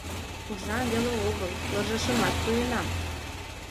Уржам веле огыл, ложашымат пуэнам...